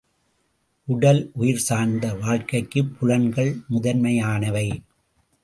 உடல் உயிர் சார்ந்த வாழ்க்கைக்குப் புலன்கள் முதன்மையானவை.